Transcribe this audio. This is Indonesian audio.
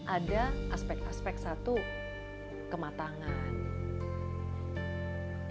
ada aspek aspek satu kematangan